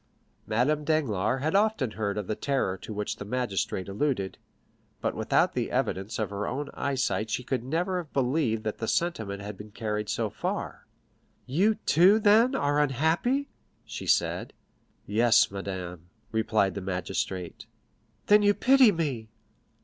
Madame Danglars had often heard of the terror to which the magistrate alluded, but without the evidence of her own eyesight she could never have believed that the sentiment had been carried so far. "You too, then, are unhappy?" she said. "Yes, madame," replied the magistrate. "Then you pity me!"